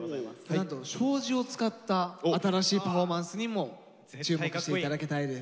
なんと障子を使った新しいパフォーマンスにも注目して頂きたいです。